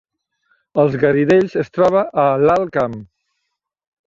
Els Garidells es troba a l’Alt Camp